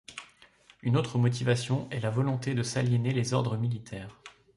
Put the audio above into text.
Une autre motivation est la volonté de s’aliéner les ordres militaires.